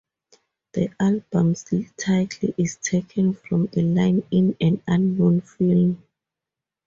The album's title is taken from a line in an unknown film.